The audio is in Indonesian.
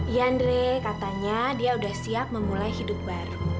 iya andre katanya dia sudah siap memulai hidup baru